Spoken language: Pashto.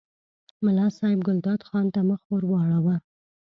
ملا صاحب ګلداد خان ته مخ ور واړاوه.